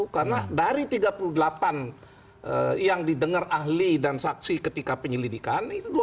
karena dari tiga puluh delapan yang didengar ahli dan saksi ketika penyelidikan